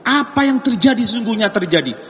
apa yang terjadi sesungguhnya terjadi